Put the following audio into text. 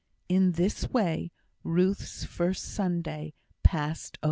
In this way Ruth's first Sabbath passed over.